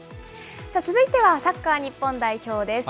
続いてはサッカー日本代表です。